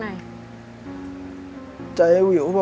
มีใจข้ะ